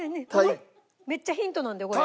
めっちゃヒントなんだよこれ。